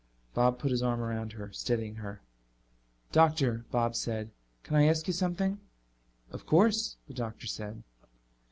Bob put his arm around her, steadying her. "Doctor," Bob said, "can I ask you something?" "Of course," the doctor said.